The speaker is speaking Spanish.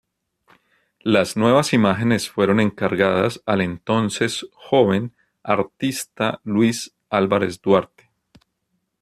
Las nuevas imágenes fueron encargadas al entonces joven artista Luis Álvarez Duarte.